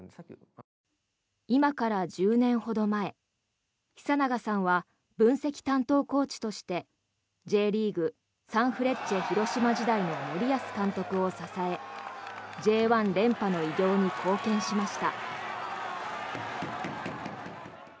今から１０年ほど前久永さんは分析担当コーチとしてＪリーグサンフレッチェ広島時代の森保監督を支えＪ１連覇の偉業に貢献しました。